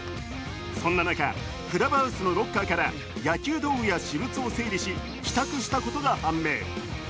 そんな中、クラブハウスのロッカーから野球道具や私物を整理し帰宅したことが判明。